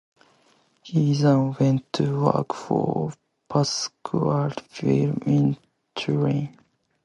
He then went to work for Pasquali Film in Turin.